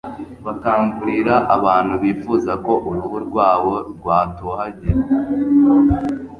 Bakangurira abantu bifuza ko uruhu rwabo rwatohagira